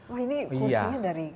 wah ini kursinya dari